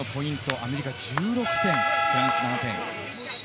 アメリカ１６点、フランス７点。